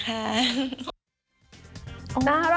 น่ารักนะ